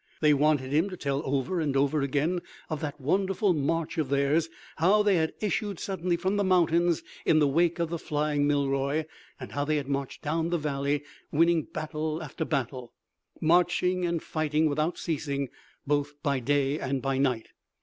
They wanted him to tell over and over again of that wonderful march of theirs, how they had issued suddenly from the mountains in the wake of the flying Milroy, how they had marched down the valley winning battle after battle, marching and fighting without ceasing, both by day and by night.